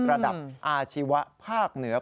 ระดับอาชีวะภาคเหนือ